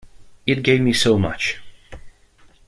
It gave me so much.